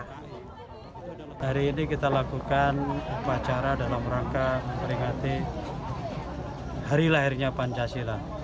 hari ini kita lakukan upacara dalam rangka memperingati hari lahirnya pancasila